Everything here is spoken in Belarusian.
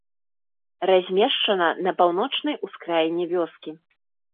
Размешчана на паўночнай ускраіне вёскі.